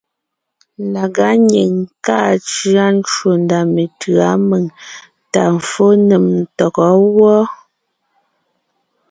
Lagá nyìŋ kàa cʉa ncwò ndá metʉ̌a mèŋ tà fó nèm ntɔgɔ́ wɔ́.